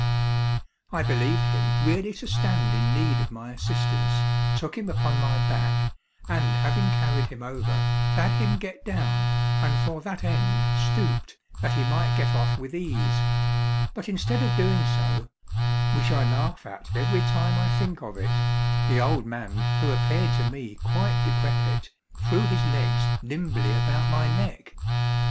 I believed him really to stand in need of my assistance, took him upon my back, and having carried him over, bade him get down, and for that end stooped, that he might get off with ease; but instead of doing so (which I laugh at every time I think of it), the old man who appeared to me quite decrepit, threw his legs nimbly about my neck.